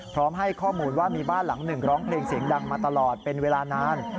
พร้อมให้ข้อมูลว่ามีบ้านหลังหนึ่งร้องเพลงเสียงดังมาตลอดเป็นเวลานาน